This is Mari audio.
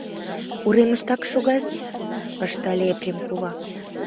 — Уремыштак шога-с, — ыштале Епрем кува.